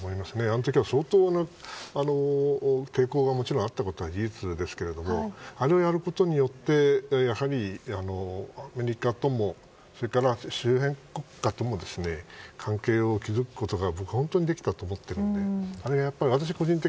あのときは相当抵抗が、もちろんあったことは事実ですけどあれをやることによってやはりアメリカとも、それから周辺国家とも関係を築くことができたと思っています。